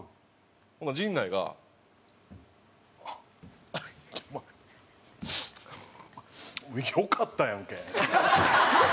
ほんなら陣内が「あっちょお前よかったやんけ」。